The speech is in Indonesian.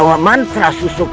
apa yang dilakukan